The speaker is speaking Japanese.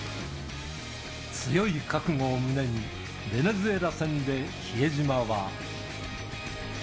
強い覚悟を胸に、ベネズエラ戦で比江島は。